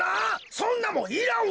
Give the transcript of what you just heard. そんなもんいらんわ！